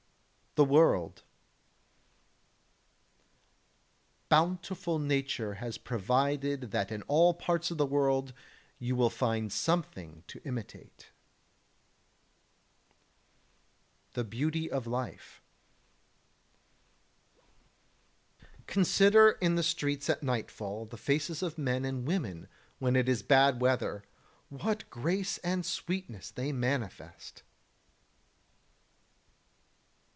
[Sidenote: The World] 17. Bountiful nature has provided that in all parts of the world you will find something to imitate. 18. [Sidenote: The Beauty of Life] Consider in the streets at nightfall the faces of men and women when it is bad weather, what grace and sweetness they manifest!